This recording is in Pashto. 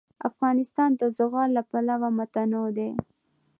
افغانستان د زغال له پلوه متنوع دی.